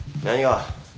何が？